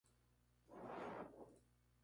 Su lecho es de arenas claras y de grano grueso.